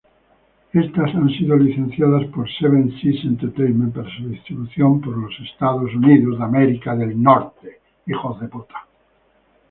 Éstas han sido licenciadas por Seven Seas Entertainment para su distribución por Estados Unidos.